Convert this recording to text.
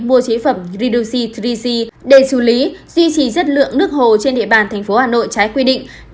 mua chế phẩm reducy ba g để xử lý duy trì rất lượng nước hồ trên địa bàn tp hà nội trái quy định